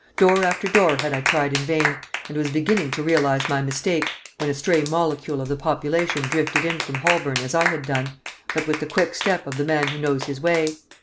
Door after door had I tried in vain, and was beginning to realise my mistake, when a stray molecule of the population drifted in from Holborn as I had done, but with the quick step of the man who knows his way.